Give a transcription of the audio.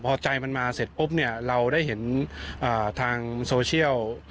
พอใจมันมาเสร็จปุ๊บเนี่ยเราได้เห็นทางโซเชียล